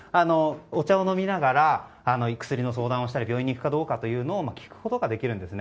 お茶を飲みながら薬の相談をしたり病院に行くかどうかを聞くことができるんですね。